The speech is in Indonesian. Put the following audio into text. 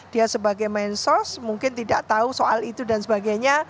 dia sebagai mensos mungkin tidak tahu soal itu dan sebagainya